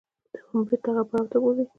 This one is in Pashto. دا به مو بېرته هغه پړاو ته بوځي.